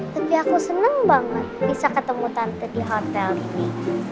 tapi aku senang banget bisa ketemu tante di hotel ini